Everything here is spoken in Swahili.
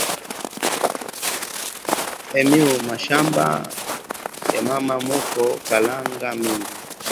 Mu mashamba ya mama muko kalanga mingi